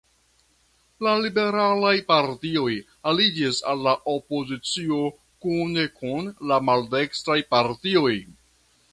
La liberalaj partioj aliĝis al la opozicio kune kun la maldekstraj partioj.